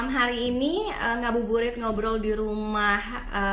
hari ini ngabuburit ngobrol di rumah